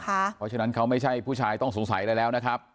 เพราะฉะนั้นเขาไม่ใช่ผู้ชายต้องสงสัยอะไรแล้วนะครับ